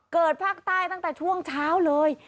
เกิดภาคใต้ตั้งแต่ช่วงเช้าเลย